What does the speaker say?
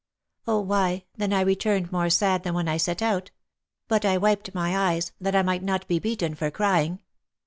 "Oh, why, then I returned more sad than when I set out; but I wiped my eyes, that I might not be beaten for crying.